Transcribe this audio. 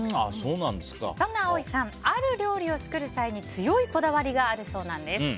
そんな葵さんある料理を作る際に強いこだわりがあるそうなんです。